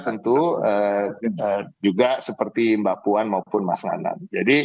tentu juga seperti mbak puan maupun mas nanan